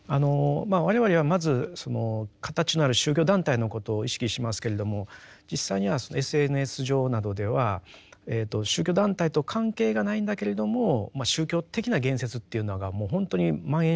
我々はまず形のある宗教団体のことを意識しますけれども実際にはＳＮＳ上などでは宗教団体と関係がないんだけれども宗教的な言説っていうのがもう本当に蔓延してると思うんですよね。